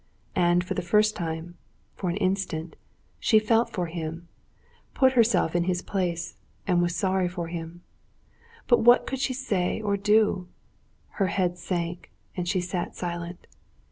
And for the first time, for an instant, she felt for him, put herself in his place, and was sorry for him. But what could she say or do? Her head sank, and she sat silent.